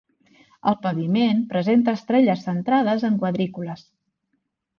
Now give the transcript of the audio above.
El paviment presenta estrelles centrades en quadrícules.